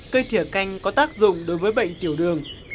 cây thỉa canh có tác dụng đối với bệnh tiểu đường